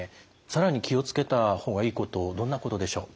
更に気を付けた方がいいことどんなことでしょう？